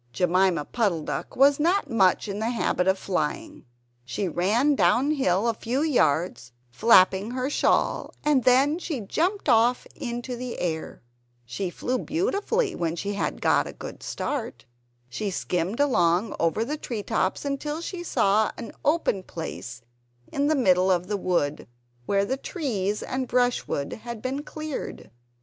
Jemima Puddle duck was not much in the habit of flying. She ran downhill a few yards flapping her shawl, and then she jumped off into the air. She flew beautifully when she had got a good start. She skimmed along over the treetops until she saw an open place in the middle of the wood, where the trees and brushwood had been cleared.